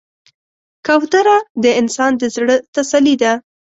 کوتره د انسان د زړه تسلي ده.